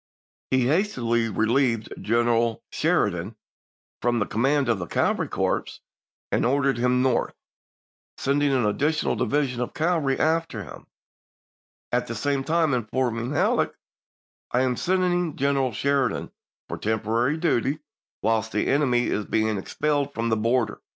He hastily relieved General Sheridan from the command of the cavalry corps, and ordered him North, send ing an additional division of cavalry after him, at the same time informing Halleck, " I am send ing General Sheridan for temporary duty whilst the enemy is being expelled from the border.